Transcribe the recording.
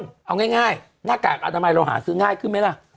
เพราะคือน่ากากอนนากฐอันน๊ามายเราหาซื้าง่ายขึ้นมั้ยล่ะ